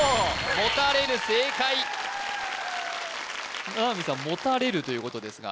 もたれる正解七海さん凭れるということですが